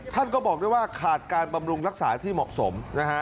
ท่านก็บอกด้วยว่าขาดการบำรุงรักษาที่เหมาะสมนะฮะ